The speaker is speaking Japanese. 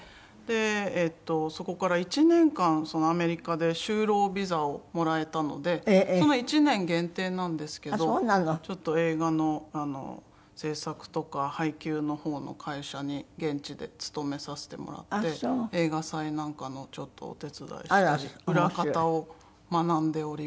えっとそこから１年間アメリカで就労ビザをもらえたので１年限定なんですけどちょっと映画の制作とか配給の方の会社に現地で勤めさせてもらって映画祭なんかのちょっとお手伝いしたり裏方を学んでおります。